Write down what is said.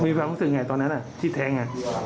มีความรู้สึกไงตอนนั้นที่แท้ง